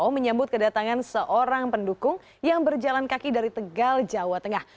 menyambut kedatangan seorang pendukung yang berjalan kaki dari tegal jawa tengah